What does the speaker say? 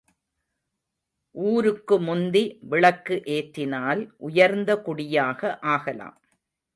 ஊருக்கு முந்தி விளக்கு ஏற்றினால் உயர்ந்த குடியாக ஆகலாம்.